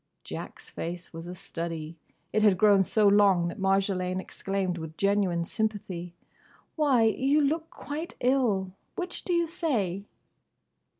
Jack's face was a study. It had grown so long that Marjolaine exclaimed with genuine sympathy, "Why, you look quite ill! Which do you say?"